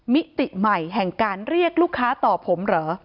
มิติใหม่แห่งการเรียกลูกค้าต่อผมเหรอ